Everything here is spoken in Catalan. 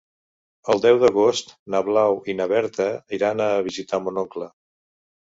El deu d'agost na Blau i na Berta iran a visitar mon oncle.